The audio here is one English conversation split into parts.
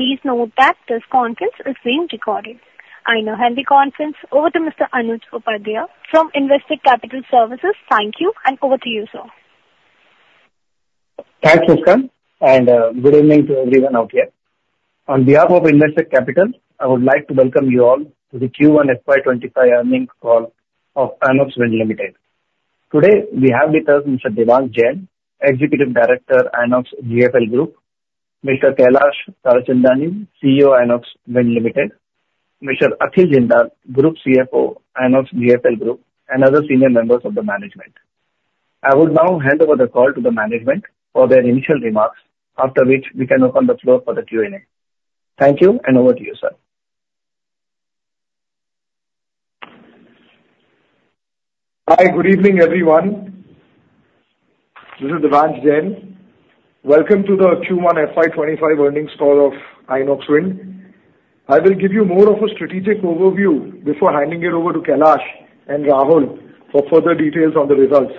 Please note that this conference is being recorded. I now hand the conference over to Mr. Anuj Upadhyay from Investec Capital Services. Thank you, and over to you, sir. Thanks, Susan, and good evening to everyone out here. On behalf of Investec Capital, I would like to welcome you all to the Q1 FY 2025 earnings call of Inox Wind Limited. Today, we have with us Mr. Devansh Jain, Executive Director, INOXGFL Group, Mr. Kailash Tarachandani, CEO, Inox Wind Limited, Mr. Akhil Jindal, Group CFO, INOXGFL Group, and other senior members of the management. I would now hand over the call to the management for their initial remarks, after which we can open the floor for the Q&A. Thank you, and over to you, sir. Hi, good evening, everyone. This is Devansh Jain. Welcome to the Q1 FY 2025 earnings call of Inox Wind. I will give you more of a strategic overview before handing it over to Kailash and Rahul for further details on the results.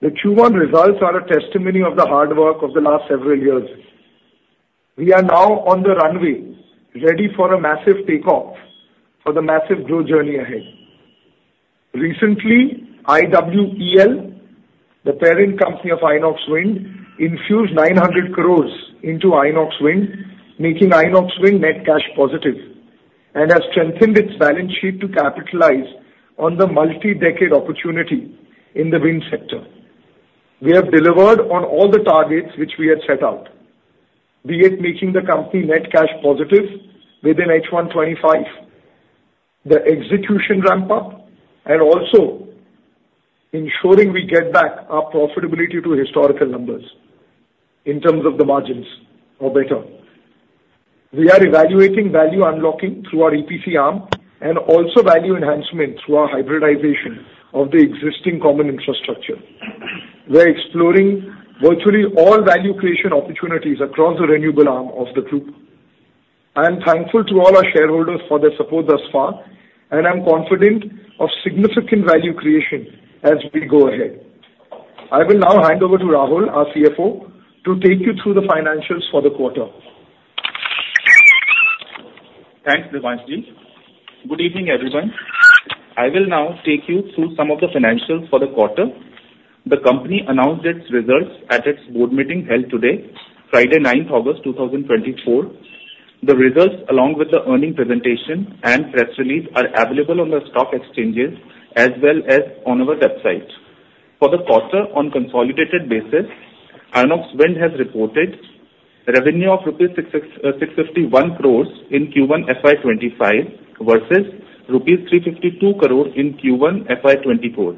The Q1 results are a testimony of the hard work of the last several years. We are now on the runway, ready for a massive take-off for the massive growth journey ahead. Recently, IWEL, the parent company of Inox Wind, infused 900 crore into Inox Wind, making Inox Wind net cash positive, and has strengthened its balance sheet to capitalize on the multi-decade opportunity in the wind sector. We have delivered on all the targets which we had set out, be it making the company net cash positive within H1 2025, the execution ramp up, and also ensuring we get back our profitability to historical numbers in terms of the margins or better. We are evaluating value unlocking through our EPC arm and also value enhancement through our hybridization of the existing common infrastructure. We are exploring virtually all value creation opportunities across the renewable arm of the group. I am thankful to all our shareholders for their support thus far, and I'm confident of significant value creation as we go ahead. I will now hand over to Rahul, our CFO, to take you through the financials for the quarter. Thanks, Devansh Ji. Good evening, everyone. I will now take you through some of the financials for the quarter. The company announced its results at its board meeting held today, Friday, 9th of August 2024. The results, along with the earnings presentation and press release, are available on the stock exchanges as well as on our website. For the quarter, on consolidated basis, Inox Wind has reported revenue of rupees 651 crores in Q1 FY 2025, versus rupees 352 crore in Q1 FY 2024,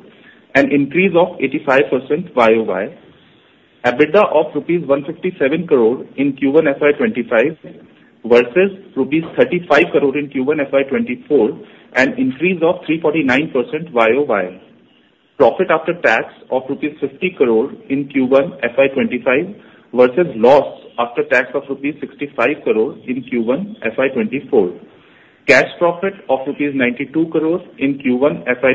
an increase of 85% YOY. EBITDA of rupees 157 crore in Q1 FY 2025, versus rupees 35 crore in Q1 FY 2024, an increase of 349% YOY. Profit after tax of rupees 50 crore in Q1 FY 2025, versus loss after tax of rupees 65 crore in Q1 FY 2024. Cash profit of rupees 92 crore in Q1 FY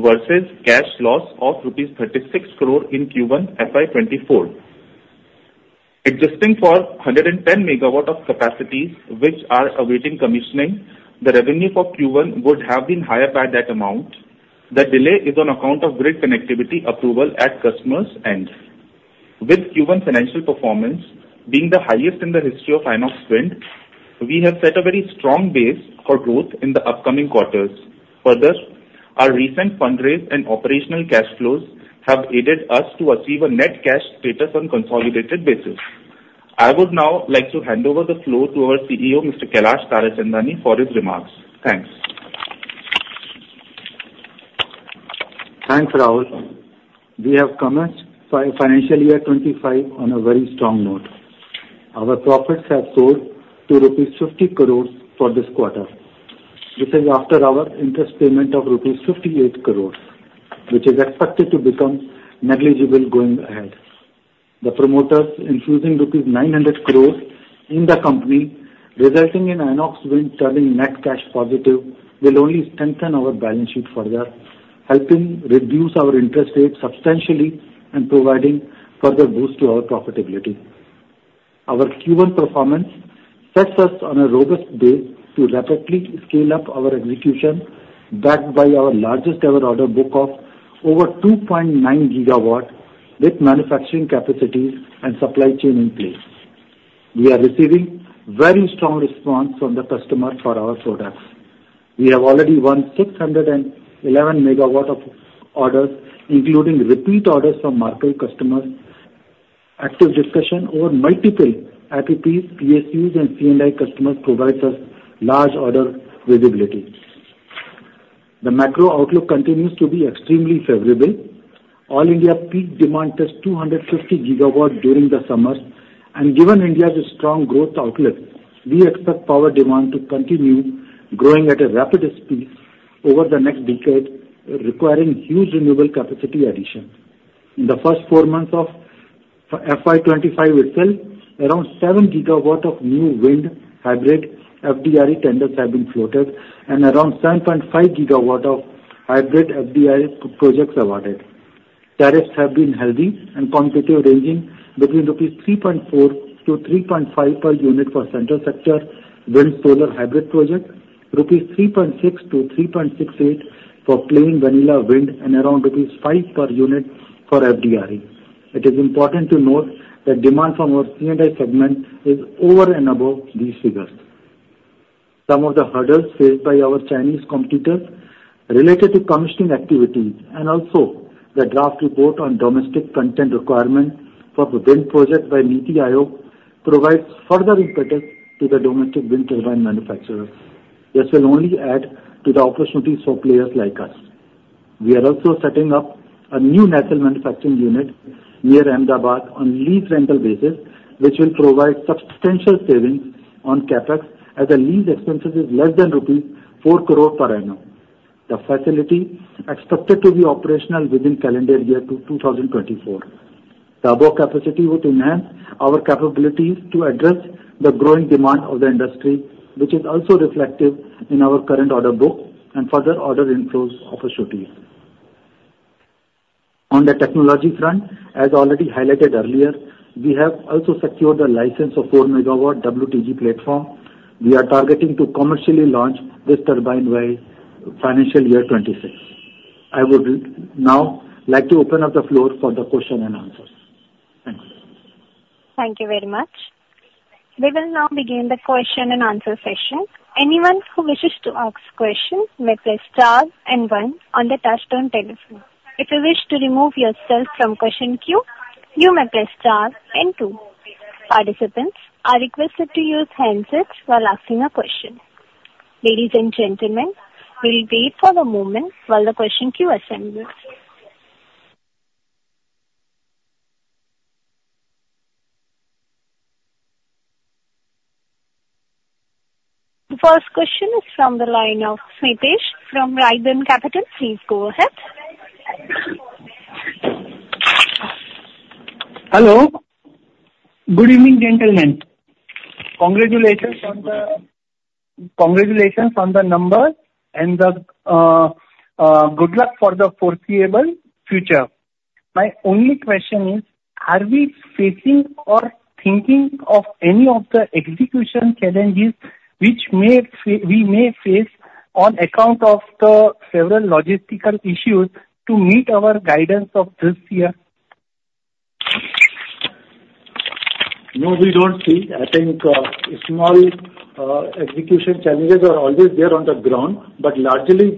2025, versus cash loss of rupees 36 crore in Q1 FY 2024. Excluding 110 MW of capacities, which are awaiting commissioning, the revenue for Q1 would have been higher by that amount. The delay is on account of grid connectivity approval at customers' ends. With Q1 financial performance being the highest in the history of Inox Wind, we have set a very strong base for growth in the upcoming quarters. Further, our recent fundraise and operational cash flows have aided us to achieve a net cash positive status on consolidated basis. I would now like to hand over the floor to our CEO, Mr. Kailash Tarachandani, for his remarks. Thanks. Thanks, Rahul. We have commenced financial year 2025 on a very strong note. Our profits have soared to rupees 50 crore for this quarter. This is after our interest payment of rupees 58 crore, which is expected to become negligible going ahead. The promoters, infusing rupees 900 crore in the company, resulting in Inox Wind turning net cash positive, will only strengthen our balance sheet further, helping reduce our interest rates substantially and providing further boost to our profitability. Our Q1 performance sets us on a robust base to rapidly scale up our execution, backed by our largest-ever order book of over 2.9 GW, with manufacturing capacities and supply chain in place. We are receiving very strong response from the customer for our products. We have already won 611 MW of orders, including repeat orders from market customers. Active discussion over multiple IPPs, PSUs, and C&I customers provides us large order visibility. The macro outlook continues to be extremely favorable. All India peak demand is 250 GW during the summer, and given India's strong growth outlook, we expect power demand to continue growing at a rapid speed over the next decade, requiring huge renewable capacity addition. In the first four months of FY 2025 itself, around 7 GW of new wind hybrid FDRE tenders have been floated and around 7.5 GW of hybrid FDRE projects awarded. Tariffs have been healthy and competitive, ranging between 3.4-3.5 rupees per unit for central sector wind solar hybrid project, 3.6-3.68 rupees for plain vanilla wind, and around rupees 5 per unit for FDRE. It is important to note that demand from our C&I segment is over and above these figures. Some of the hurdles faced by our Chinese competitors related to commissioning activities, and also the draft report on domestic content requirement for the wind project by NITI Aayog, provides further impetus to the domestic wind turbine manufacturer. This will only add to the opportunities for players like us. We are also setting up a new nacelle manufacturing unit near Ahmedabad on lease rental basis, which will provide substantial savings on CapEx, as the lease expenses is less than rupees 4 crore per annum. The facility expected to be operational within calendar year 2024. The above capacity would enhance our capabilities to address the growing demand of the industry, which is also reflective in our current order book and further order inflows opportunities. On the technology front, as already highlighted earlier, we have also secured the license of 4 MW WTG platform. We are targeting to commercially launch this turbine by financial year 2026. I would now like to open up the floor for the question and answers. Thank you. Thank you very much. We will now begin the question and answer session. Anyone who wishes to ask questions may press star and one on the touchtone telephone. If you wish to remove yourself from question queue, you may press star and two. Participants are requested to use handsets while asking a question. Ladies and gentlemen, we will wait for a moment while the question queue assembles. The first question is from the line of Smitesh from Raedan Securities. Please go ahead. Hello. Good evening, gentlemen. Congratulations on the numbers, and good luck for the foreseeable future. My only question is, are we facing or thinking of any of the execution challenges which we may face on account of the several logistical issues to meet our guidance of this year? No, we don't see. I think, small, execution challenges are always there on the ground, but largely,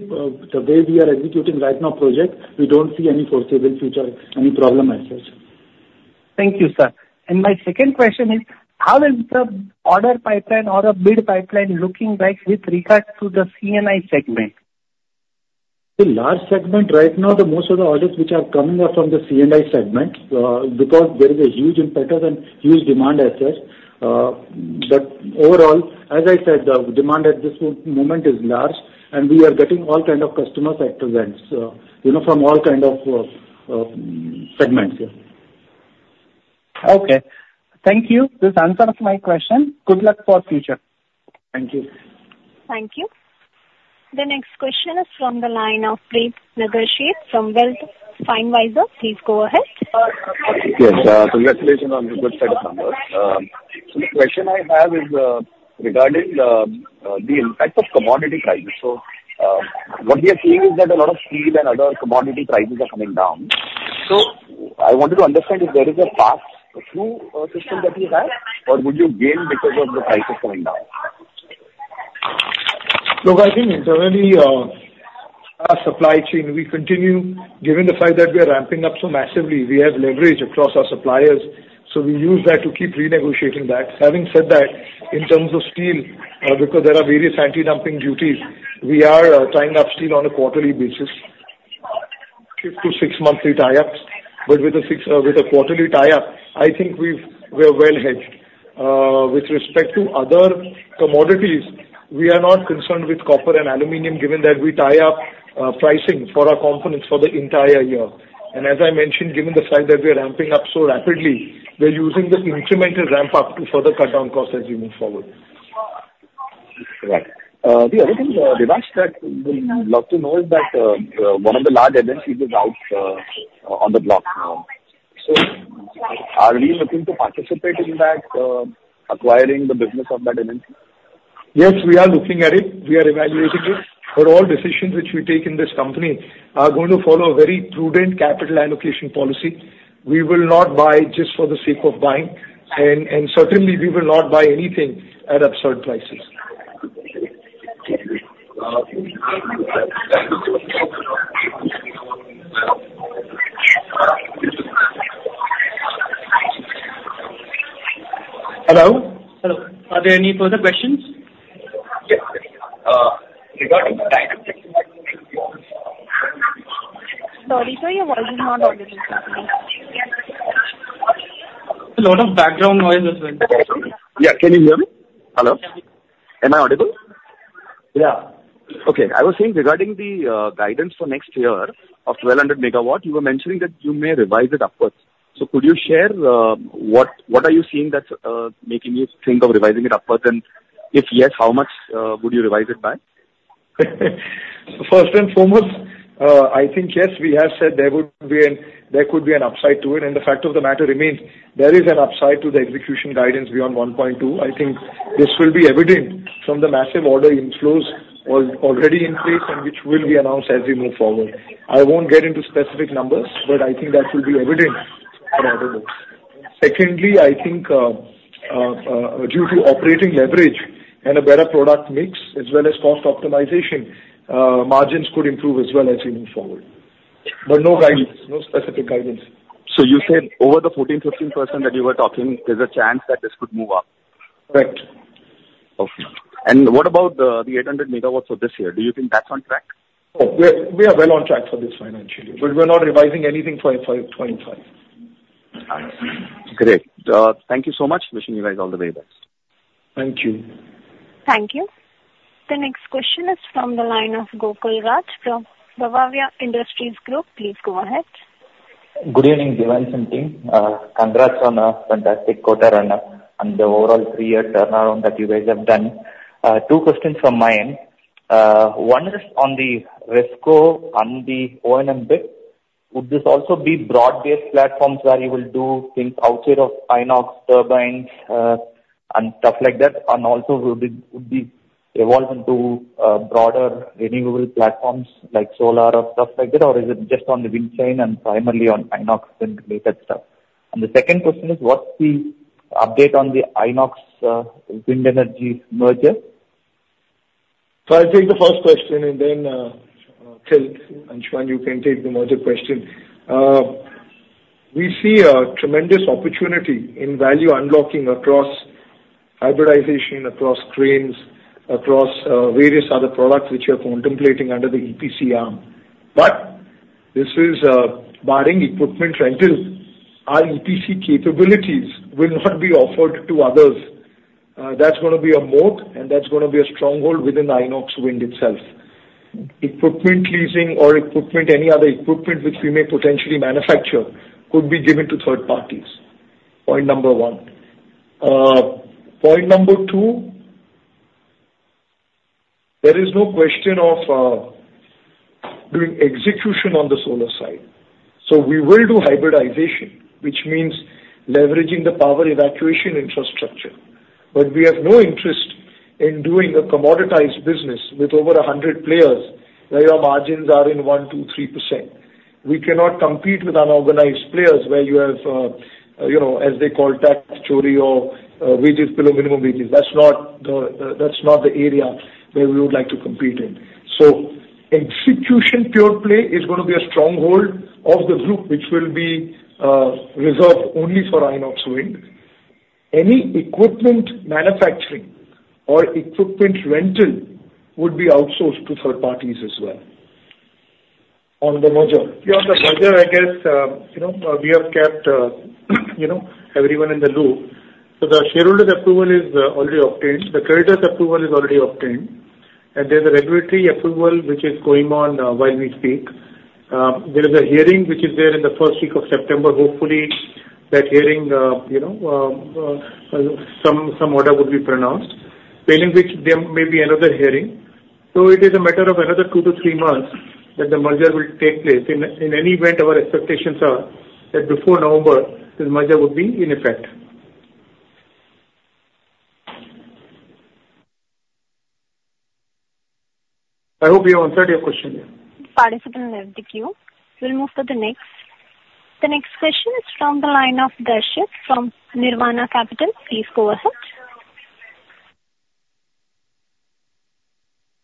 the way we are executing right now projects, we don't see any foreseeable future, any problem as such. Thank you, sir. My second question is: How is the order pipeline or the bid pipeline looking like with regards to the C&I segment? The large segment right now, the most of the orders which are coming are from the C&I segment, because there is a huge impetus and huge demand as such. But overall, as I said, the demand at this moment is large, and we are getting all kind of customer segments, you know, from all kind of segments, yeah. Okay. Thank you. This answered my question. Good luck for future. Thank you. Thank you. The next question is from the line of Preet Nagarsheth from Wealth Finwiser. Please go ahead. Yes, congratulations on the good set of numbers. So the question I have is regarding the impact of commodity prices. So what we are seeing is that a lot of steel and other commodity prices are coming down. So I wanted to understand if there is a pass through system that you have, or would you gain because of the prices coming down? Look, I think internally, our supply chain, we continue... Given the fact that we are ramping up so massively, we have leverage across our suppliers, so we use that to keep renegotiating that. Having said that, in terms of steel, because there are various anti-dumping duties, we are tying up steel on a quarterly basis, six to six monthly tie-ups. But with a six, with a quarterly tie-up, I think we are well hedged. With respect to other commodities, we are not concerned with copper and aluminum, given that we tie up pricing for our components for the entire year. And as I mentioned, given the fact that we are ramping up so rapidly, we're using this incremental ramp-up to further cut down costs as we move forward. Right. The other thing, Devansh, that we would love to know is that one of the large MNCs is out on the block now. So are we looking to participate in that, acquiring the business of that MNC? Yes, we are looking at it. We are evaluating it. For all decisions which we take in this company are going to follow a very prudent capital allocation policy. We will not buy just for the sake of buying, and certainly we will not buy anything at absurd prices. Thank you. Hello? Hello, are there any further questions? Yes. Regarding the guidance- Sorry, sir, your voice is not audible. A lot of background noise as well. Yeah. Can you hear me? Hello? Am I audible? Yeah. Okay. I was saying regarding the guidance for next year of 1,200 MW, you were mentioning that you may revise it upwards. So could you share what are you seeing that's making you think of revising it upwards? And if yes, how much would you revise it by? First and foremost, I think, yes, we have said there would be an upside to it, and the fact of the matter remains, there is an upside to the execution guidance beyond 1.2. I think this will be evident from the massive order inflows already in place and which will be announced as we move forward. I won't get into specific numbers, but I think that will be evident in our order books. Secondly, I think, due to operating leverage and a better product mix, as well as cost optimization, margins could improve as well as we move forward. But no guidance, no specific guidance. So you said over the 14%-15% that you were talking, there's a chance that this could move up? Right. Okay. And what about the 800 MW for this year? Do you think that's on track? Oh, we are well on track for this financial year, but we're not revising anything for FY25. Great. Thank you so much. Wishing you guys all the very best. Thank you. Thank you. The next question is from the line of Gokul Raj from Bhavya Industries Group. Please go ahead. Good evening, Devansh and team. Congrats on a fantastic quarter run up and the overall three-year turnaround that you guys have done. Two questions from my end. One is on the Resco on the O&M bit. Would this also be broad-based platforms where you will do things outside of Inox turbines, and stuff like that? And also, would it be evolved into broader renewable platforms like solar or stuff like that, or is it just on the wind chain and primarily on Inox and related stuff? And the second question is, what's the update on the Inox Wind Energy merger? So I'll take the first question and then, Kailash and Rahul, you can take the merger question. We see a tremendous opportunity in value unlocking across hybridization, across cranes, across various other products which we are contemplating under the EPC arm. But this is barring equipment rental, our EPC capabilities will not be offered to others. That's gonna be a moat, and that's gonna be a stronghold within the Inox Wind itself. Equipment leasing or equipment, any other equipment which we may potentially manufacture, could be given to third parties. Point number one. Point number two, there is no question of doing execution on the solar side. So we will do hybridization, which means leveraging the power evacuation infrastructure. But we have no interest in doing a commoditized business with over a hundred players, where your margins are in 1%, 2%, 3%. We cannot compete with unorganized players where you have, you know, as they call tax chori or wages below minimum wages. That's not the area where we would like to compete in. So execution pure play is gonna be a stronghold of the group, which will be reserved only for Inox Wind. Any equipment manufacturing or equipment rental would be outsourced to third parties as well. On the merger. Yeah, on the merger, I guess, you know, we have kept, you know, everyone in the loop. So the shareholders' approval is already obtained. The creditors' approval is already obtained. And there's a regulatory approval which is going on, while we speak. There is a hearing which is there in the first week of September. Hopefully, that hearing, you know, some order would be pronounced, failing which, there may be another hearing. So it is a matter of another two to three months that the merger will take place. In any event, our expectations are that before November, the merger will be in effect. I hope we have answered your question here. Participant, thank you. We'll move to the next. The next question is from the line of Darshit from Nirvana Capital. Please go ahead.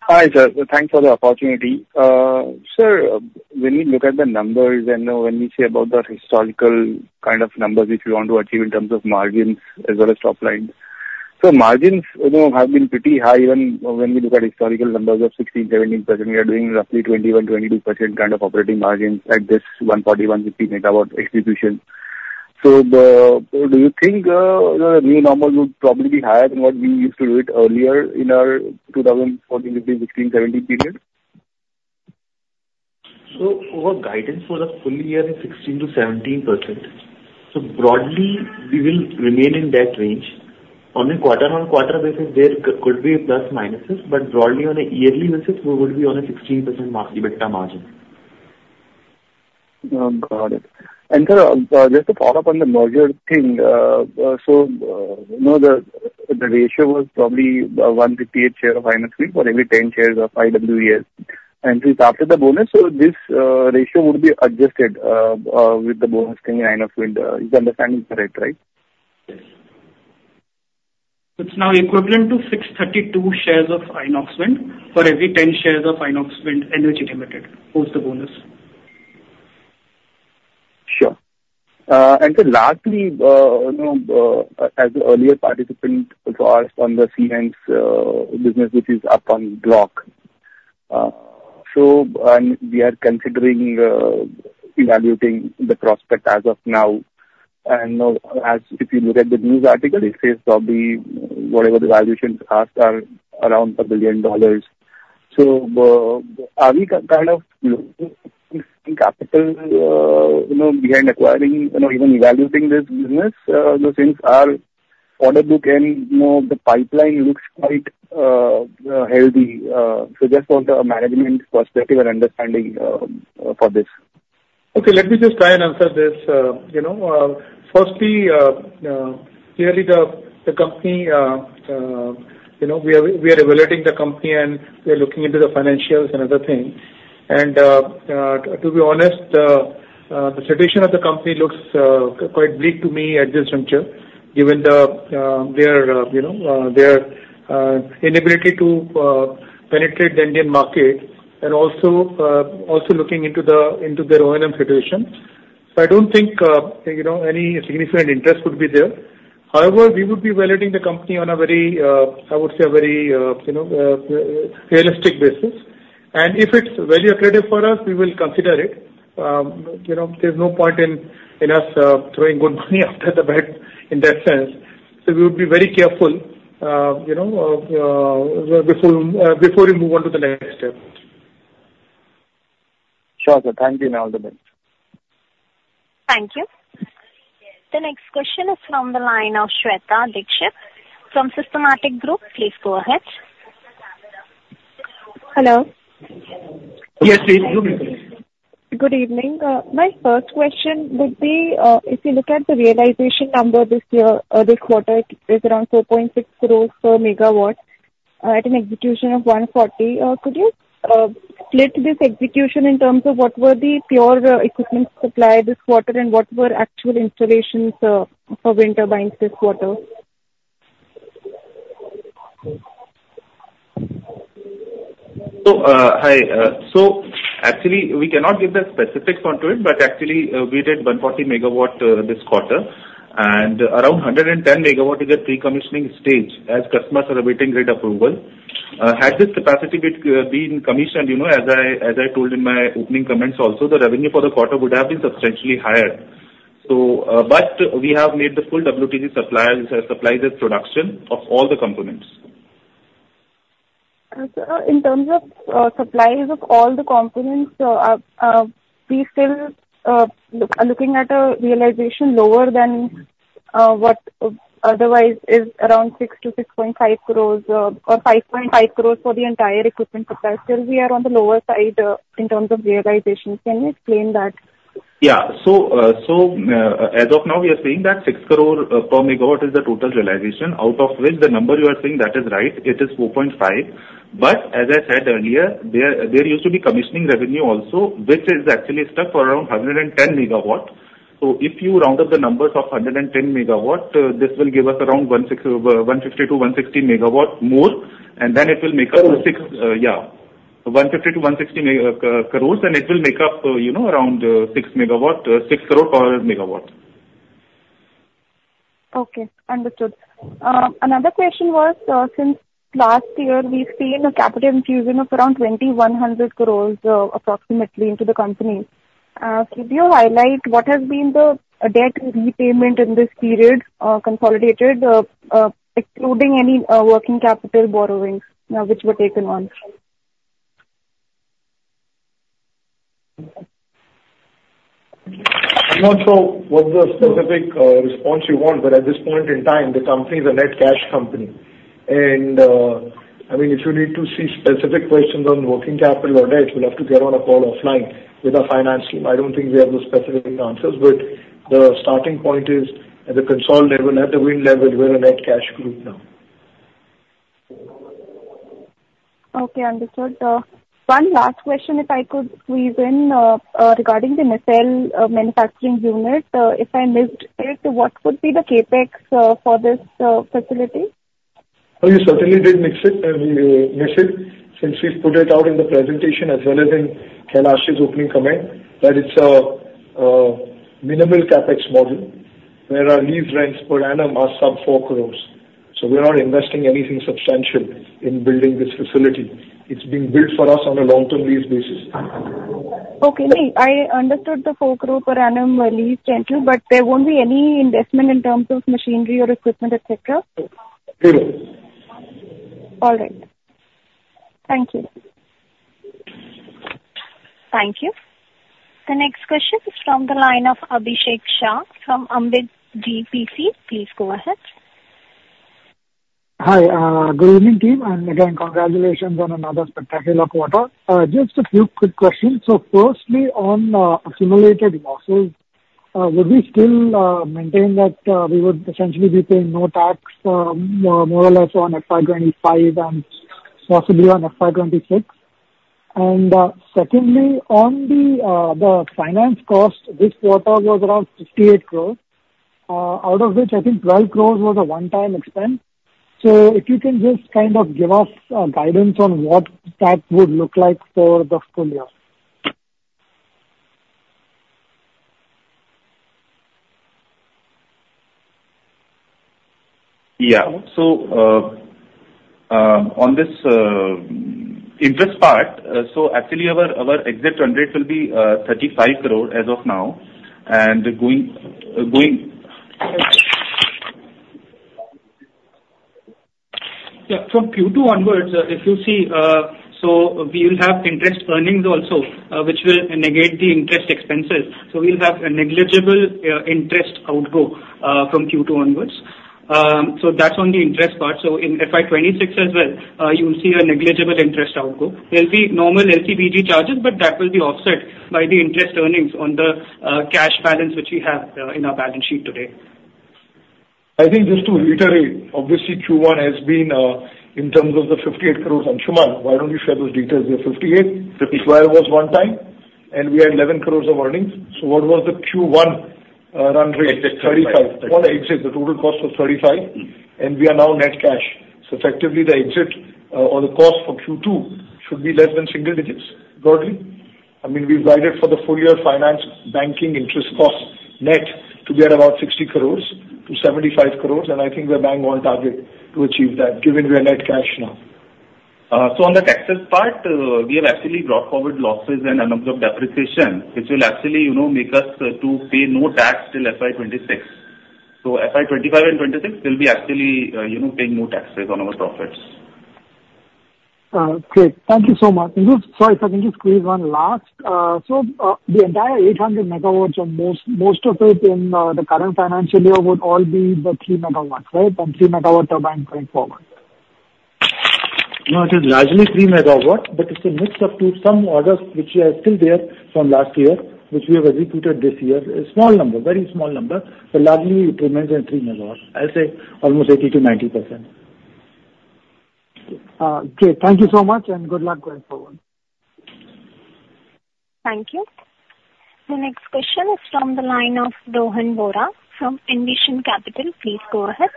Hi, sir. Thanks for the opportunity. Sir, when we look at the numbers and, when we say about the historical kind of numbers which you want to achieve in terms of margins as well as top line, so margins, you know, have been pretty high even when we look at historical numbers of 16%, 17%, we are doing roughly 21%-22% kind of operating margins at this 140 MW-150 MW execution. So the, do you think, the new number would probably be higher than what we used to do it earlier in our 2014-2017 period? So our guidance for the full year is 16%-17%. So broadly, we will remain in that range. On a quarter-on-quarter basis, there could be plus, minuses, but broadly on a yearly basis, we will be on a 16% EBITDA margin. Got it. And sir, just to follow up on the merger thing, so, you know, the ratio was probably 158 share of Inox Wind for every 10 shares of IWEL. And since after the bonus, so this ratio would be adjusted with the bonus in Inox Wind. Is my understanding correct, right? Yes. It's now equivalent to 632 shares of Inox Wind for every 10 shares of Inox Wind Energy Limited, post the bonus. Sure. And so lastly, you know, as the earlier participant also asked on the Siemens Gamesa business, which is up on block. So, and we are considering evaluating the prospect as of now, and, as if you look at the news article, it says probably whatever the valuations asked are around $1 billion. So,... Are we kind of, you know, capital behind acquiring, you know, even evaluating this business, since our order book and, you know, the pipeline looks quite healthy. So just for the management perspective and understanding, for this. Okay, let me just try and answer this. You know, firstly, clearly the company, you know, we are evaluating the company, and we are looking into the financials and other things. And, to be honest, the situation of the company looks quite bleak to me at this juncture, given their, you know, their inability to penetrate the Indian market and also, also looking into the, into their O&M situation. So I don't think, you know, any significant interest would be there. However, we would be evaluating the company on a very, I would say, a very, you know, realistic basis. And if it's value accretive for us, we will consider it. You know, there's no point in us throwing good money after the bet in that sense. So we would be very careful, you know, before we move on to the next step. Sure, sir. Thank you, and all the best. Thank you. The next question is from the line of Shweta Dixit from Systematix Group. Please go ahead. Hello. Yes, please. Go ahead. Good evening. My first question would be, if you look at the realization number this year, this quarter is around 4.6 crores per megawatt at an execution of 140. Could you split this execution in terms of what were the pure equipment supply this quarter and what were actual installations for wind turbines this quarter? So, hi. So actually, we cannot give the specifics onto it, but actually we did 140 MW this quarter, and around 110 MW is at pre-commissioning stage as customers are awaiting grid approval. Had this capacity been commissioned, you know, as I told in my opening comments also, the revenue for the quarter would have been substantially higher. So, but we have made the full WTG suppliers' production of all the components. Sir, in terms of supplies of all the components, we still looking at a realization lower than what otherwise is around 6-6.5 crore or 5.5 crore for the entire equipment capacity. Still we are on the lower side in terms of realization. Can you explain that? Yeah. So, as of now, we are saying that 6 crore per MW is the total realization, out of which the number you are saying, that is right, it is 4.5. But as I said earlier, there used to be commissioning revenue also, which is actually stuck for around 110 MW. So if you round up the numbers of 110 MW, this will give us around 150 MW-160 MW more, and then it will make up to six- Oh. Yeah, INR 150-INR 160 crore, and it will make up, you know, around 6 crore per megawatt. Okay, understood. Another question was, since last year, we've seen a capital infusion of around 2,100 crore, approximately into the company. Could you highlight what has been the, debt repayment in this period, consolidated, excluding any, working capital borrowings, which were taken on? I'm not sure what's the specific response you want, but at this point in time, the company is a net cash company. And, I mean, if you need to see specific questions on working capital or debt, we'll have to get on a call offline with our finance team. I don't think we have the specific answers, but the starting point is, at the consolidated level, at the wind level, we're a net cash group now. Okay, understood. One last question, if I could squeeze in, regarding the nacelle manufacturing unit. If I missed it, what would be the CapEx for this facility? Oh, you certainly didn't mix it, miss it, since we've put it out in the presentation as well as in Kailash's opening comment, that it's a minimal CapEx model, where our lease rents per annum are sub 4 crore. So we are not investing anything substantial in building this facility. It's being built for us on a long-term lease basis. Okay. No, I understood the 4 crore per annum lease rental, but there won't be any investment in terms of machinery or equipment, et cetera? No. All right. Thank you. Thank you. The next question is from the line of Abhishek Shah from Ambit Capital. Please go ahead. Hi, good evening, team, and again, congratulations on another spectacular quarter. Just a few quick questions. Firstly, on accumulated losses, would we still maintain that we would essentially be paying no tax, more or less on FY 2025 and possibly on FY 2026? And secondly, on the finance cost this quarter was around 58 crore, out of which I think 12 crore was a one-time expense. So if you can just kind of give us guidance on what that would look like for the full year. Yeah. So, on this interest part, so actually, our exact run rate will be 35 crore as of now, and going, going- ... Yeah, from Q2 onwards, if you see, so we will have interest earnings also, which will negate the interest expenses. So we'll have a negligible interest outflow, from Q2 onwards. So that's on the interest part. So in FY 2026 as well, you will see a negligible interest outflow. There'll be normal LCBG charges, but that will be offset by the interest earnings on the cash balance which we have in our balance sheet today. I think just to reiterate, obviously, Q1 has been, in terms of the 58 crore, and, Sumant, why don't you share those details? We have 58. Fifty-five was one time, and we had 11 crore of earnings. So what was the Q1 run rate? Thirty-five. On the exit, the total cost was 35, and we are now net cash. So effectively, the exit, or the cost for Q2 should be less than single digits, broadly. I mean, we've guided for the full year finance banking interest cost net to be at about 60 crores-75 crores, and I think we're bang on target to achieve that, given we are net cash now. So on the taxes part, we have actually brought forward losses and a number of depreciation, which will actually, you know, make us to pay no tax till FY 2026. So FY 2025 and 2026 will be actually, you know, pay no taxes on our profits. Great. Thank you so much. Sorry, if I can just squeeze one last. So, the entire 800 MW on this, most of it in the current financial year would all be the 3 MW, right? And 3 MW turbine going forward. No, it is largely 3 MW, but it's a mix of 2, some orders which are still there from last year, which we have executed this year. A small number, very small number, but largely it remains at 3 MW. I'll say almost 80%-90%. Okay. Thank you so much, and good luck going forward. Thank you. The next question is from the line of Rohan Vora from Envision Capital. Please go ahead.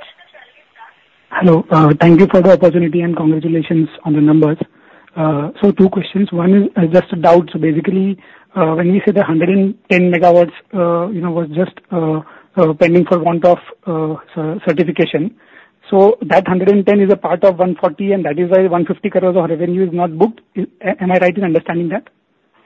Hello, thank you for the opportunity and congratulations on the numbers. So two questions. One is just a doubt. So basically, when you say the 110 MW, you know, was just pending for want of certification, so that 110 MW is a part of 140 MW, and that is why 150 crores of revenue is not booked. Am I right in understanding that?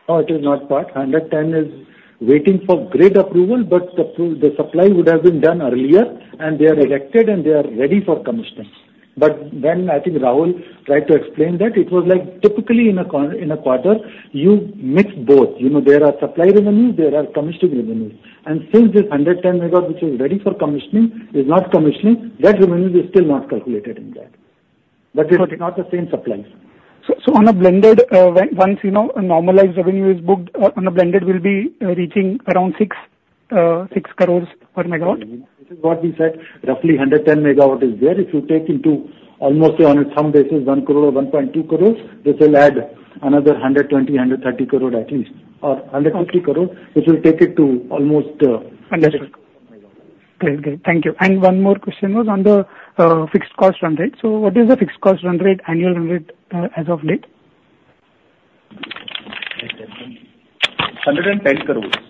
No, it is not part. 110 MW is waiting for grid approval, but the supply would have been done earlier, and they are erected and they are ready for commissioning. But then I think Rahul tried to explain that it was like typically in a quarter, you mix both. You know, there are supply revenues, there are commissioning revenues, and since this 110 MW, which is ready for commissioning, is not commissioning, that revenue is still not calculated in that. But they are not the same supplies. So, on a blended, once, you know, a normalized revenue is booked, on a blended will be reaching around 6.6 crores per megawatt? This is what we said. Roughly 110 MW is there. If you take into almost on a thumb basis, 1 crore or 1.2 crores, this will add another 120 crore-130 crore at least, or 150 crore, which will take it to almost, Understood. Great, great. Thank you. One more question was on the fixed cost run rate. So what is the fixed cost run rate, annual run rate, as of date? 110 crores.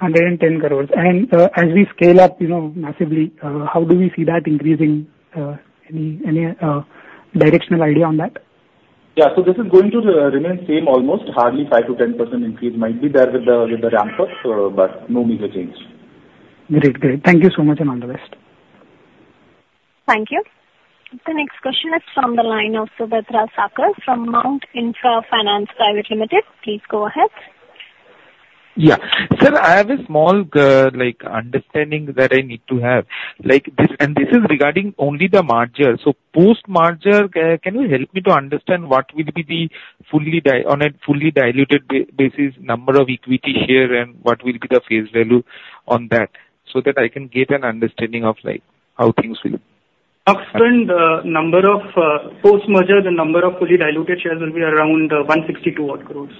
110 crores. As we scale up, you know, massively, how do we see that increasing, any directional idea on that? Yeah. So this is going to remain same, almost. Hardly 5%-10% increase might be there with the ramp up, but no major change. Great. Great. Thank you so much, and all the best. Thank you. The next question is from the line of Subrata Sarkar from Mount Intra Finance Private Limited. Please go ahead. Yeah. Sir, I have a small, like, understanding that I need to have. Like this, and this is regarding only the merger. So post-merger, can you help me to understand what will be the fully on a fully diluted basis, number of equity here, and what will be the face value on that, so that I can get an understanding of, like, how things will look? Current number of post-merger, the number of fully diluted shares will be around 162 odd crores.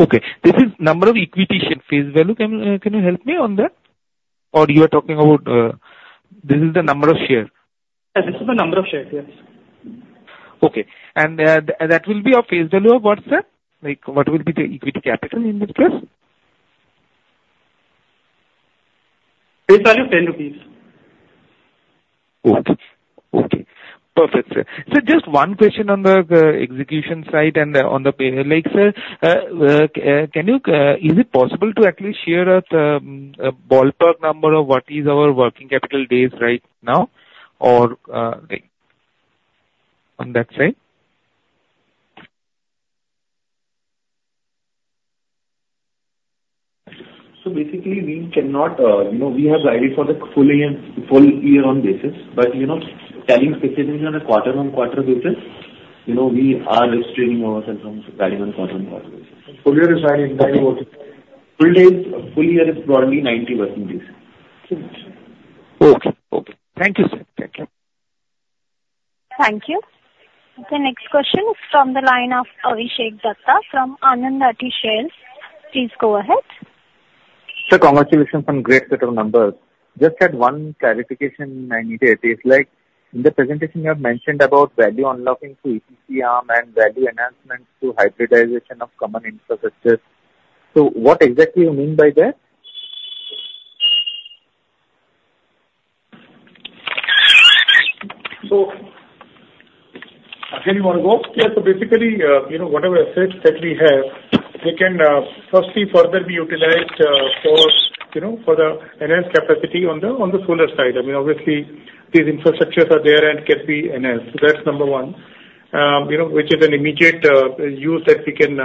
Okay, this is number of equity share. Face value, can, can you help me on that? Or you are talking about, this is the number of shares? This is the number of shares, yes. Okay. And, that will be a face value of what, sir? Like, what will be the equity capital in this case? Face value, 10 rupees. Okay. Okay, perfect, sir. So just one question on the execution side and on the pay. Like, sir, is it possible to at least share us a ballpark number of what is our working capital days right now, or like on that side? So basically, we cannot, you know, we have guided for the full year, full year on basis, but, you know, telling specifically on a quarter-on-quarter basis, you know, we are restraining ourselves from guiding on a quarter-on-quarter basis. Full year is 90%. Full year is broadly 90%, yes. Okay. Okay. Thank you, sir. Thank you. Thank you. The next question is from the line of Avishek Datta from Anand Rathi Shares. Please go ahead. Sir, congratulations on great set of numbers. Just had one clarification I needed. It's like, in the presentation you have mentioned about value unlocking to EPC arm and value enhancements to hybridization of common infrastructure. So what exactly you mean by that? Again, you want to go? Yeah, so basically, you know, whatever assets that we have, we can, firstly further be utilized, for, you know, for the enhanced capacity on the, on the solar side. I mean, obviously, these infrastructures are there and can be enhanced. That's number one. You know, which is an immediate, use that we can,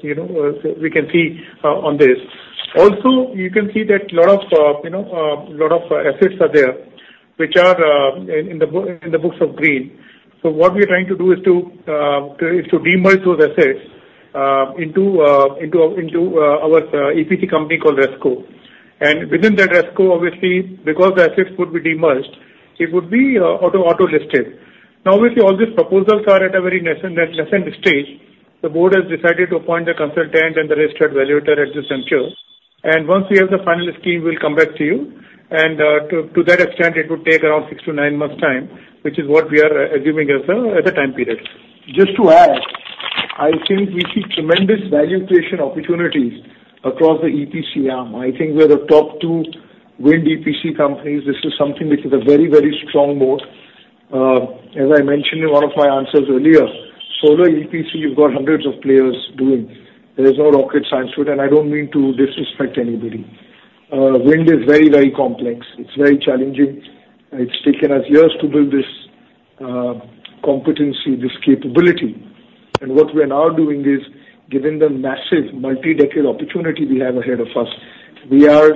you know, we can see, on this. Also, you can see that a lot of, you know, a lot of assets are there, which are, in the books of green. So what we are trying to do is to demerge those assets, into, into our EPC company called Resco. And within that Resco, obviously, because the assets would be demerged, it would be automatically listed. Now, obviously, all these proposals are at a very nascent, nascent stage. The board has decided to appoint a consultant and the registered valuator at this juncture. And once we have the final scheme, we'll come back to you. And to that extent, it would take around 6-9 months' time, which is what we are assuming as a time period. Just to add, I think we see tremendous value creation opportunities across the EPC arm. I think we're the top two wind EPC companies. This is something which is a very, very strong moat. As I mentioned in one of my answers earlier, solar EPC, you've got hundreds of players doing. There is no rocket science to it, and I don't mean to disrespect anybody. Wind is very, very complex. It's very challenging. It's taken us years to build this, competency, this capability. And what we are now doing is, given the massive multi-decade opportunity we have ahead of us, we are,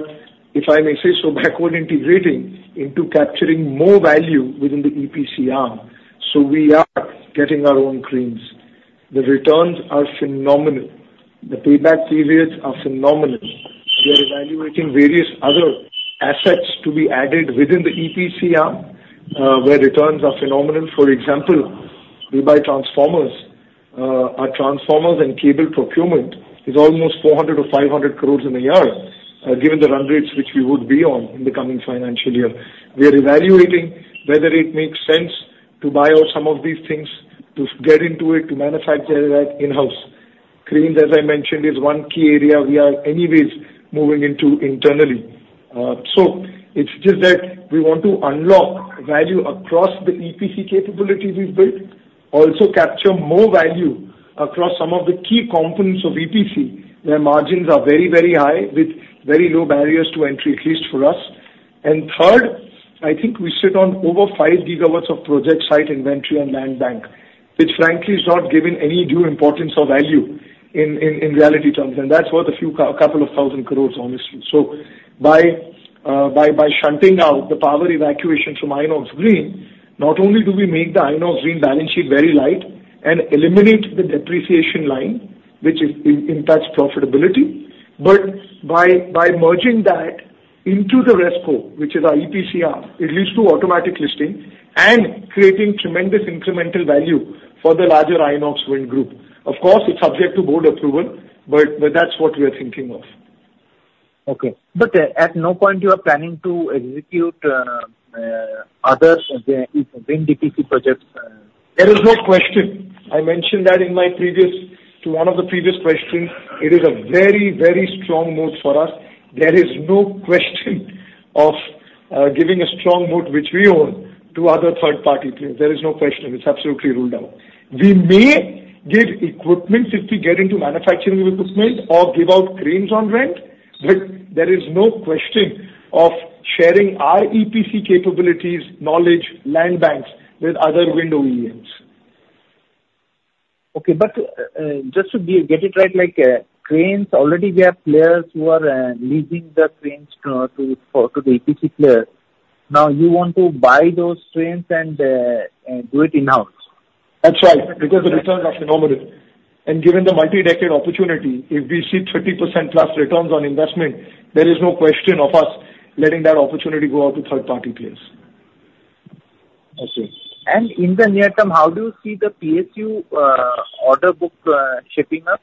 if I may say so, backward integrating into capturing more value within the EPC arm. So we are getting our own cranes. The returns are phenomenal. The payback periods are phenomenal. We are evaluating various other assets to be added within the EPC arm, where returns are phenomenal. For example, we buy transformers. Our transformers and cable procurement is almost 400-500 crores in a year, given the run rates which we would be on in the coming financial year. We are evaluating whether it makes sense to buy out some of these things, to get into it, to manufacture that in-house. Cranes, as I mentioned, is one key area we are anyways moving into internally. So it's just that we want to unlock value across the EPC capability we've built, also capture more value across some of the key components of EPC, where margins are very, very high, with very low barriers to entry, at least for us. And third, I think we sit on over 5 GW of project site inventory and land bank, which frankly is not given any due importance or value in reality terms, and that's worth a couple of thousand crore, honestly. So by shunting out the power evacuation from Inox Green, not only do we make the Inox Green balance sheet very light and eliminate the depreciation line, which impacts profitability, but by merging that into the Resco, which is our EPC arm, it leads to automatic listing and creating tremendous incremental value for the larger Inox Wind group. Of course, it's subject to board approval, but that's what we are thinking of. Okay. But at no point you are planning to execute other wind EPC projects? There is no question. I mentioned that in my previous, to one of the previous questions. It is a very, very strong moat for us. There is no question of, giving a strong moat, which we own, to other third-party players. There is no question. It's absolutely ruled out. We may give equipment if we get into manufacturing equipment or give out cranes on rent, but there is no question of sharing our EPC capabilities, knowledge, land banks with other wind OEMs. Okay, but just to get it right, like, cranes, already there are players who are leasing the cranes to the EPC players. Now, you want to buy those cranes and do it in-house? That's right, because the returns are phenomenal. Given the multi-decade opportunity, if we see 30%+ returns on investment, there is no question of us letting that opportunity go out to third-party players. I see. In the near term, how do you see the PSU order book shaping up?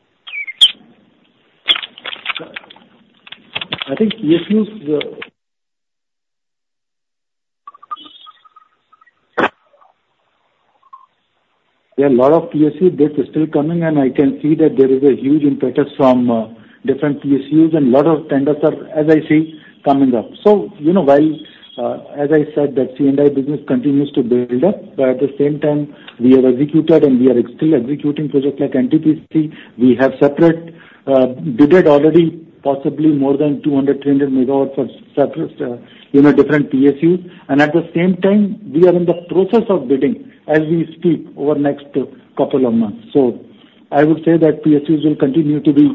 I think PSUs. There are a lot of PSU bids still coming, and I can see that there is a huge impetus from different PSUs, and a lot of tenders are, as I see, coming up. So, you know, while, as I said, that C&I business continues to build up, but at the same time, we have executed and we are still executing projects like NTPC. We have separate bid already, possibly more than 200-300 MW of separate, you know, different PSUs. And at the same time, we are in the process of bidding as we speak over next couple of months. So I would say that PSUs will continue to be,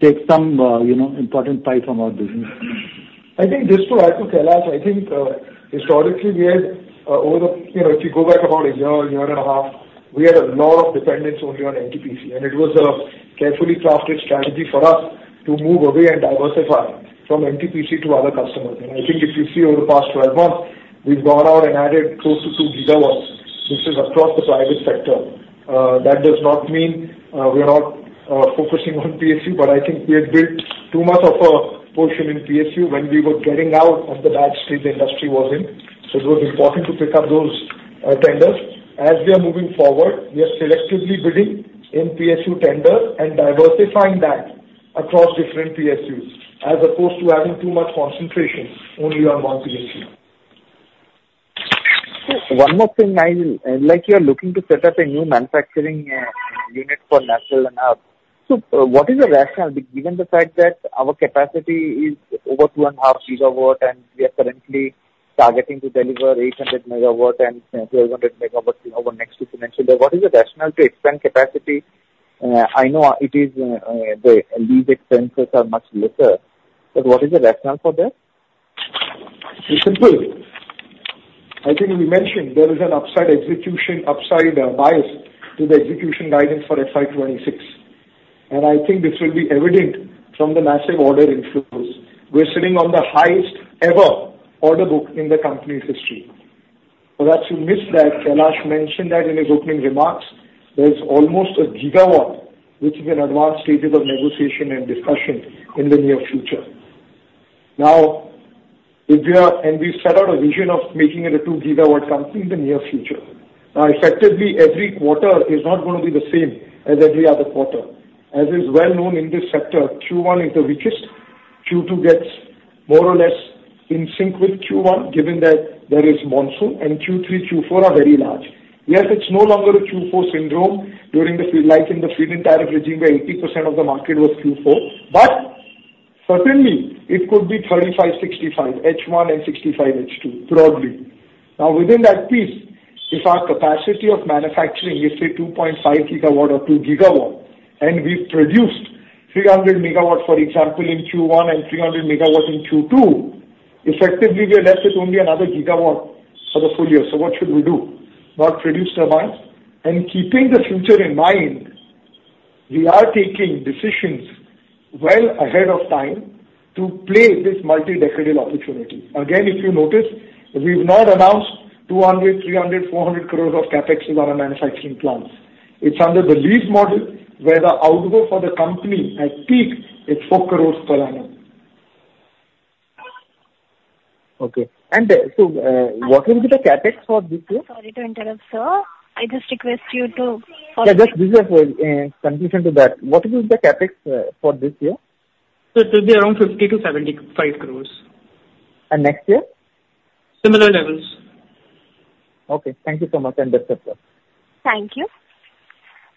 take some, you know, important pie from our business. I think just to add to Kailash, I think, historically we had, over the... You know, if you go back about a year, year and a half, we had a lot of dependence only on NTPC, and it was a carefully crafted strategy for us to move away and diversify from NTPC to other customers. And I think if you see over the past 12 months, we've gone out and added close to 2 GW, which is across the private sector. That does not mean we are not focusing on PSU, but I think we had built too much of a portion in PSU when we were getting out of the bad state the industry was in. So it was important to pick up those tenders. As we are moving forward, we are selectively bidding in PSU tenders and diversifying that across different PSUs, as opposed to having too much concentration only on one PSU. One more thing, I like you are looking to set up a new manufacturing unit for nacelle and hub. So what is the rationale being given the fact that our capacity is over 2.5 GW, and we are currently targeting to deliver 800 MW and 1,200 MW over the next two financial years, what is the rationale to expand capacity? I know it is the lead times are much lesser, but what is the rationale for that? It's simple. I think we mentioned there is an upside execution, upside, bias to the execution guidance for FY 2026, and I think this will be evident from the massive order inflows. We're sitting on the highest ever order book in the company's history. Perhaps you missed that, Kailash mentioned that in his opening remarks, there is almost 1 GW which is in advanced stages of negotiation and discussion in the near future. Now, and we set out a vision of making it a 2-GW company in the near future. Now, effectively, every quarter is not going to be the same as every other quarter. As is well known in this sector, Q1 is the weakest, Q2 gets more or less in sync with Q1, given that there is monsoon, and Q3, Q4 are very large. Yes, it's no longer a Q4 syndrome during, like, in the feed-in tariff regime, where 80% of the market was Q4, but certainly it could be 35, 65, H1 and 65 H2, broadly. Now, within that piece, if our capacity of manufacturing is, say, 2.5 GW or 2 GW, and we've produced 300 MW, for example, in Q1 and 300 MW in Q2, effectively we are left with only another GW for the full year. So what should we do? Not produce turbines. And keeping the future in mind, we are taking decisions well ahead of time to play this multi-decadal opportunity. Again, if you notice, we've not announced 200, 300, 400 crores of CapEx on our manufacturing plants. It's under the lease model, where the outflow for the company at peak is 4 crores per annum. Okay. So, what will be the CapEx for this year? Sorry to interrupt, sir. I just request you to follow- Yeah, just this is a conclusion to that. What is the CapEx for this year? Sir, it will be around 50-75 crores. Next year? Similar levels. Okay, thank you so much, and that's it, sir. Thank you.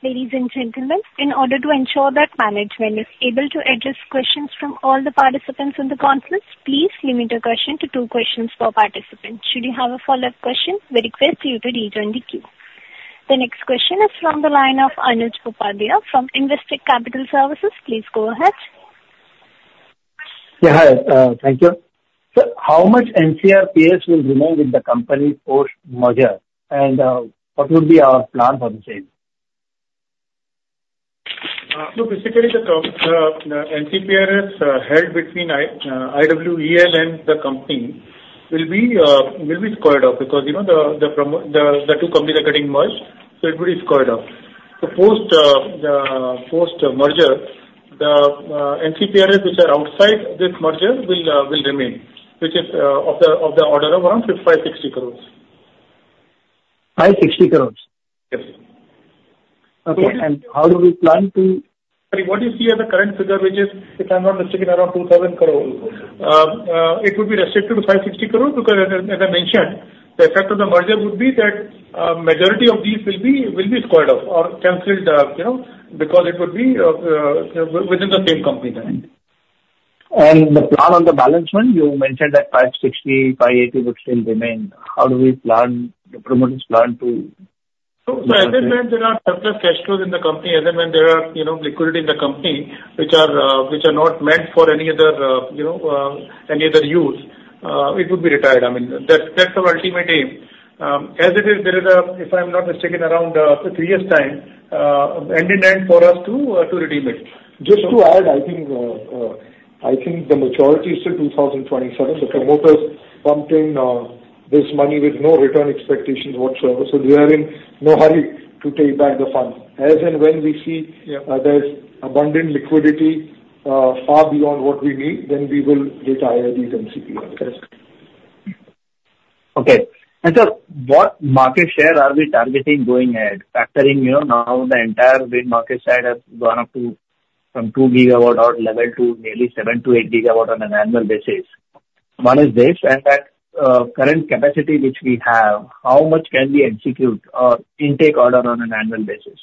Ladies and gentlemen, in order to ensure that management is able to address questions from all the participants in the conference, please limit your question to two questions per participant. Should you have a follow-up question, we request you to rejoin the queue. The next question is from the line of Anil Kuppalia from Investec Capital Services. Please go ahead. Yeah, thank you. Sir, how much NCPRS will remain with the company post-merger? What would be our plan for the same? So basically, the NCPRS held between IWEL and the company will be squared off, because, you know, the two companies are getting merged, so it will be squared off. So post-merger, the NCPRS which are outside this merger will remain, which is of the order of around 55-60 crores. 560 crore? Yes. Okay, and how do we plan to- Sorry, what do you see as the current figure, which is, if I'm not mistaken, around 2,000 crore? It would be restricted to 560 crore, because as I mentioned, the effect of the merger would be that majority of these will be squared off or canceled, you know, because it would be within the same company then. The plan on the balance one, you mentioned that 560-580 would still remain. How do we plan, the promoters plan to- So as and when there are surplus cash flows in the company, as and when there are, you know, liquidity in the company, which are, which are not meant for any other, you know, any other use, it would be retired. I mean, that's, that's our ultimate aim. As it is, there is a, if I'm not mistaken, around three years time, and in end for us to, to redeem it. Just to add, I think, I think the majority is till 2027. The promoters pumped in, this money with no return expectations whatsoever, so we are in no hurry to take back the funds. As and when we see. Yeah. There's abundant liquidity, far beyond what we need, then we will retire these NCPRS. Okay. And sir, what market share are we targeting going ahead? Factoring, you know, now the entire wind market share has gone up to, from 2 GW level, to nearly 7 GW-8 GW on an annual basis. One is this, and that, current capacity which we have, how much can we execute or intake order on an annual basis?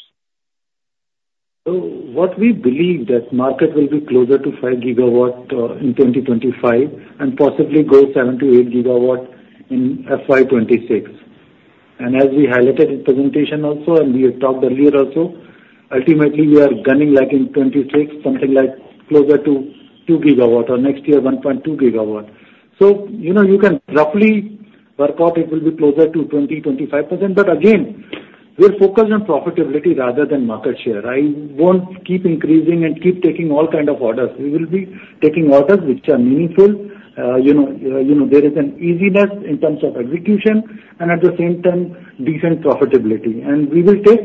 So what we believe that market will be closer to 5 GW, in 2025, and possibly grow 7 GW-8 GW in FY 2026. And as we highlighted in presentation also, and we have talked earlier also, ultimately we are gunning like in 2026, something like closer to 2 GW, or next year, 1.2 GW. So you know, you can roughly work out it will be closer to 20%-25%. But again, we're focused on profitability rather than market share. I won't keep increasing and keep taking all kind of orders. We will be taking orders which are meaningful. You know, you know, there is an easiness in terms of execution, and at the same time, decent profitability. And we will take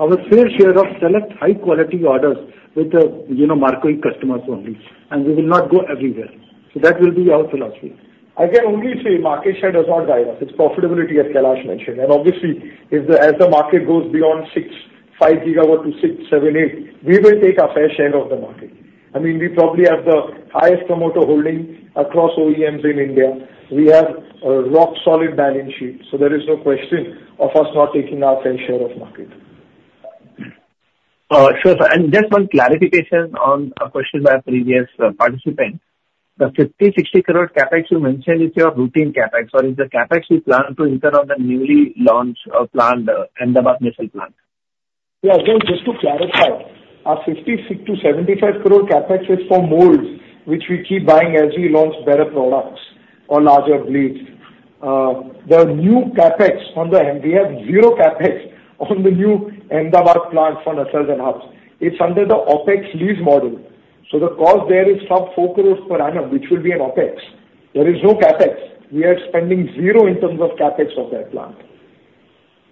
our fair share of select high quality orders with, you know, marquee customers only, and we will not go everywhere. So that will be our philosophy. I can only say market share does not drive us. It's profitability, as Kailash mentioned, and obviously, as the market goes beyond 6 GW... 5 GW to 6 GW, 7 GW, 8 GW, we will take our fair share of the market. I mean, we probably have the highest promoter holding across OEMs in India. We have a rock solid balance sheet, so there is no question of us not taking our fair share of market. Sure, sir. Just one clarification on a question by a previous participant. The 50 crore-60 crore CapEx you mentioned is your routine CapEx, or is the CapEx you plan to enter on the newly launched plant, Ahmedabad nacelle plant? Yeah, again, just to clarify, our 50-75 crore CapEx is for molds, which we keep buying as we launch better products or larger blades. The new CapEx on the end, we have zero CapEx on the new Ahmedabad plant for nacelles and hubs. It's under the OpEx lease model. So the cost there is sub-4 crore per annum, which will be an OpEx. There is no CapEx. We are spending zero in terms of CapEx of that plant.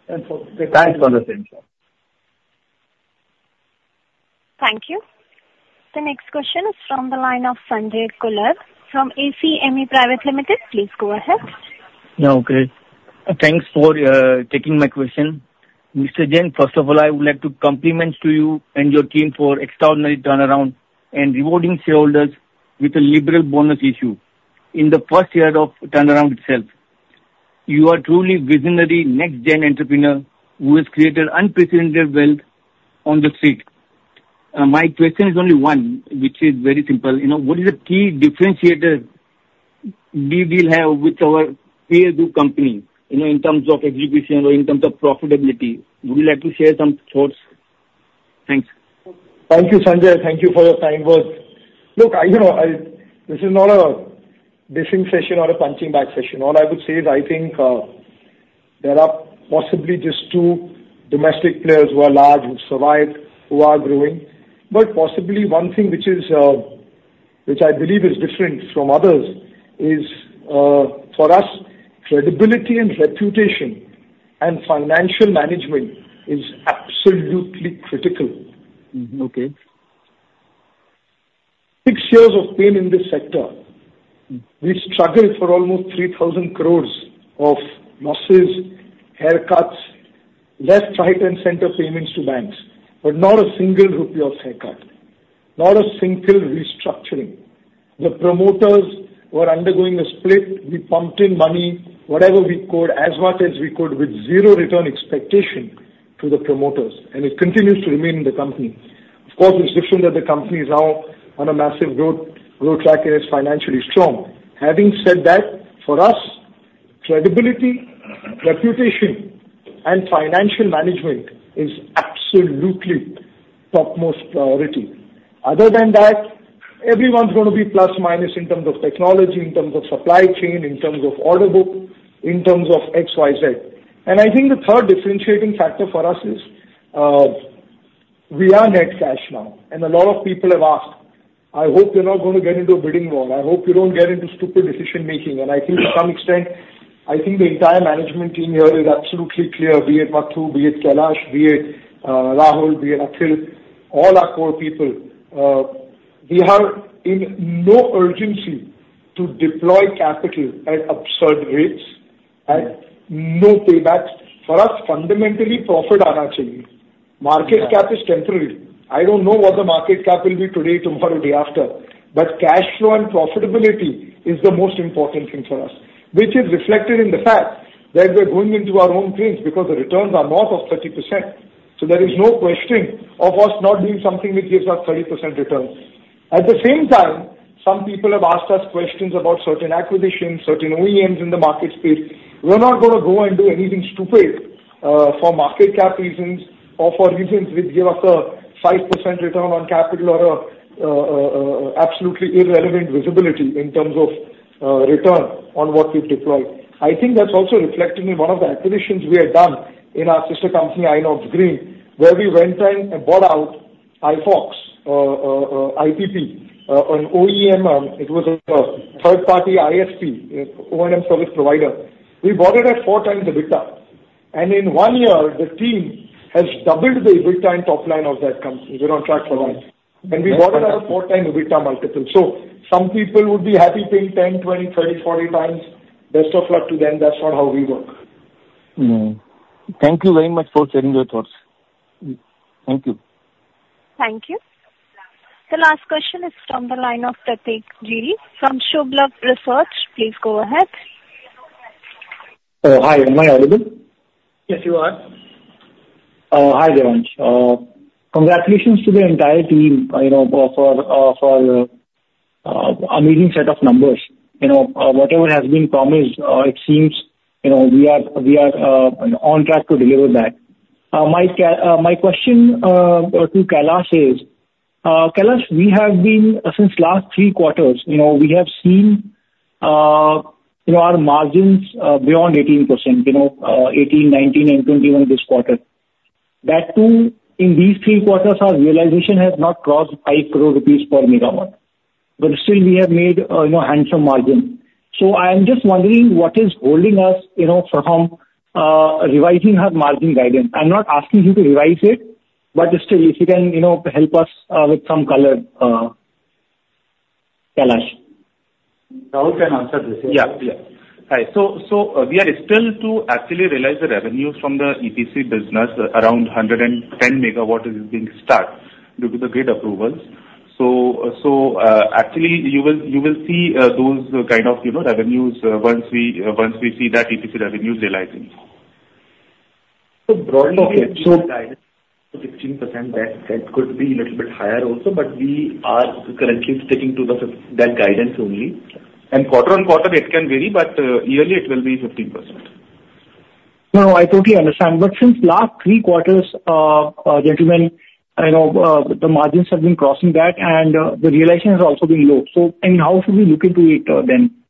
And so. Thanks for the same, sir. Thank you. The next question is from the line of Sanjay Kular from ACME Private Limited. Please go ahead. Yeah, okay. Thanks for taking my question. Mr. Jain, first of all, I would like to compliments to you and your team for extraordinary turnaround and rewarding shareholders with a liberal bonus issue in the first year of turnaround itself. You are truly visionary next gen entrepreneur who has created unprecedented wealth on the street. My question is only one, which is very simple. You know, what is the key differentiator we will have with our peer group company, you know, in terms of execution or in terms of profitability? Would you like to share some thoughts? Thanks. Thank you, Sanjay. Thank you for your kind words. Look, I, you know, I, this is not a boxing session or a punching bag session. All I would say is, I think, there are possibly just two domestic players who are large, who survived, who are growing. But possibly one thing which is, which I believe is different from others, is, for us, credibility and reputation and financial management is absolutely critical. Mm-hmm. Okay. Six years of pain in this sector, we struggled for almost 3,000 crore of losses, haircuts, left, right, and center payments to banks, but not a single rupee of haircut, not a single restructuring. The promoters were undergoing a split. We pumped in money, whatever we could, as much as we could, with zero return expectation to the promoters, and it continues to remain in the company. Of course, it's different that the company is now on a massive growth, growth track and is financially strong. Having said that, for us, credibility, reputation, and financial management is absolutely topmost priority. Other than that, everyone's going to be plus/minus in terms of technology, in terms of supply chain, in terms of order book, in terms of XYZ. I think the third differentiating factor for us is, we are net cash now, and a lot of people have asked: "I hope you're not going to get into a bidding war. I hope you don't get into stupid decision making." I think to some extent, I think the entire management team here is absolutely clear, be it Mathu, be it Kailash, be it Rahul, be it Akhil, all our core people, we are in no urgency to deploy capital at absurd rates, at no paybacks. For us, fundamentally, profit, market cap is temporary. I don't know what the market cap will be today, tomorrow, day after, but cash flow and profitability is the most important thing for us, which is reflected in the fact that we're going into our own trades because the returns are north of 30%. So there is no question of us not doing something which gives us 30% return. At the same time, some people have asked us questions about certain acquisitions, certain OEMs in the market space. We're not going to go and do anything stupid, for market cap reasons or for reasons which give us a 5% return on capital or absolutely irrelevant visibility in terms of return on what we've deployed. I think that's also reflected in one of the acquisitions we have done in our sister company, Inox Green, where we went in and bought out Ifox, IPP, an OEM. It was a third-party IPP, O&M service provider. We bought it at 4x EBITDA, and in one year, the team has doubled the EBITDA and top line of that company. We're on track for once, and we bought it at 4x EBITDA multiple. So some people would be happy paying 10x, 20x, 30x, 40x. Best of luck to them. That's not how we work. Mm-hmm. Thank you very much for sharing your thoughts. Thank you. Thank you. The last question is from the line of Prateek Giri from Shubh Labh Research. Please go ahead. Hi. Am I audible? Yes, you are. Hi, Jayant. Congratulations to the entire team, you know, for an amazing set of numbers. You know, whatever has been promised, it seems, you know, we are on track to deliver that. My question to Kailash is, Kailash, we have been, since last three quarters, you know, we have seen our margins beyond 18%, you know, 18%, 19%, and 20%, even this quarter. That too, in these three quarters, our realization has not crossed 5 crore rupees per megawatt, but still we have made handsome margin. So I am just wondering what is holding us, you know, from revising our margin guidance. I'm not asking you to revise it, but still, if you can, you know, help us with some color, Kailash. Rahul can answer this one. Yeah. Yeah. Hi. So, we are still to actually realize the revenues from the EPC business, around 110 MW is being started due to the grid approvals. So, actually, you will see those kind of, you know, revenues once we see that EPC revenues realizing. So broadly-... 15%, that, that could be a little bit higher also, but we are currently sticking to the, that guidance only. And quarter on quarter, it can vary, but, yearly it will be 15%. No, I totally understand. But since last three quarters, gentlemen, you know, the margins have been crossing that and, the realization has also been low. So, I mean, how should we look into it, then?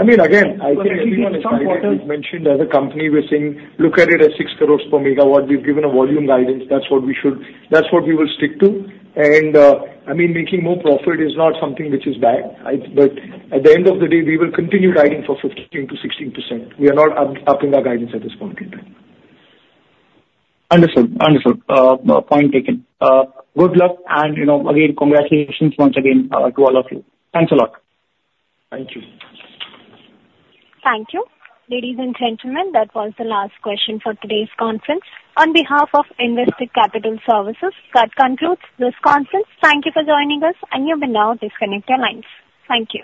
I mean, again, I think we mentioned as a company, we're saying look at it as 6 crore per MW. We've given a volume guidance. That's what we should... That's what we will stick to. And, I mean, making more profit is not something which is bad. but at the end of the day, we will continue guiding for 15%-16%. We are not upping our guidance at this point in time. Understood. Understood. Point taken. Good luck, and, you know, again, congratulations once again, to all of you. Thanks a lot. Thank you. Thank you. Ladies and gentlemen, that was the last question for today's conference. On behalf of Investec Capital Services, that concludes this conference. Thank you for joining us, and you may now disconnect your lines. Thank you.